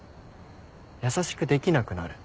優しくできなくなる。